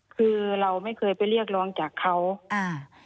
คือเราไม่เคยไปเรียกร้องจากเขาอ่า